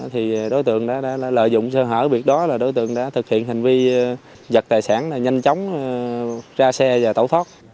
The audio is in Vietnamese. thì đối tượng đã lợi dụng sơ hở việc đó là đối tượng đã thực hiện hành vi giật tài sản là nhanh chóng ra xe và tẩu thoát